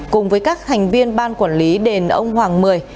cùng với các thành viên ban quản lý đền ông hoàng mười